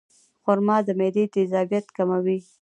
خرما د معدې تیزابیت کموي.